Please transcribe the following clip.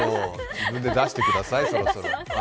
自分で出してください、そろそろ。